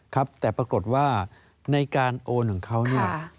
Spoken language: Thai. ครับแต่ปรากฏว่าในการโอนของเขาเนี่ย